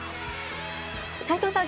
齊藤さん